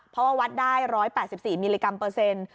เพราะว่าวัดได้ร้อยแปดสิบสี่มิลลิกรัมเปอร์เซ็นต์